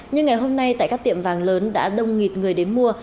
nhưng ngày hôm nay tại các tiệm vàng lớn đã đông nghịt người đến mua